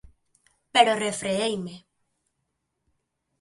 Pero refreeime.